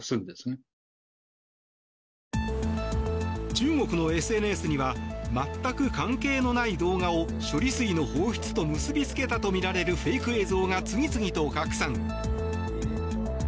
中国のＳＮＳには全く関係のない動画を処理水の放出と結び付けたとみられるフェイク映像が次々と拡散。